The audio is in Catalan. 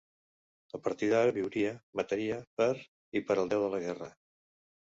A partir d'ara viuria, mataria per i per al Déu de la guerra.